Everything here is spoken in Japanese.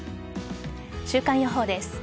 週間予報です。